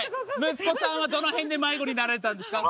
息子さんはどの辺で迷子になられたんですか？